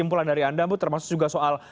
simpulan dari anda termasuk juga soal